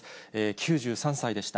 ９３歳でした。